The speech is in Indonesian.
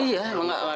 iya memang gak normal